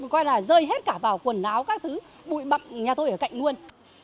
coi là rơi hết cả vào quần áo các thứ bụi bậm nhà tôi ở cạnh luôn